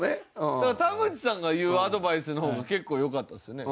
だから田渕さんが言うアドバイスの方が結構良かったですよね。